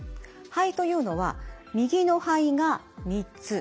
肺というのは右の肺が３つ。